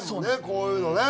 こういうのね。